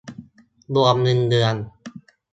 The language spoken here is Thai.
รวมเงินเดือน